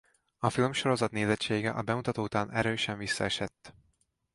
A filmsorozat nézettsége a bemutató után erősen visszaesett.